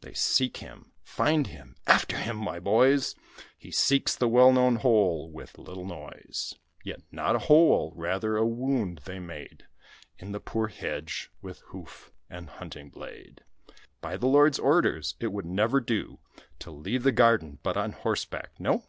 They seek him find him; "After him, my boys!" He seeks the well known hole with little noise; Yet not a hole, rather a wound they made In the poor hedge with hoof and hunting blade. "By the lord's orders it would never do To leave the garden but on horseback, no."